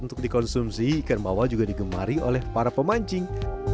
untuk dikonsumsi ikan bawal juga digemari oleh para pemancing